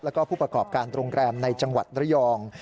และผู้ประกอบการตรงแกรมในจังหวัดดรยองด้วย